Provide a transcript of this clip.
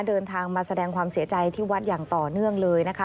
เดินทางมาแสดงความเสียใจที่วัดอย่างต่อเนื่องเลยนะคะ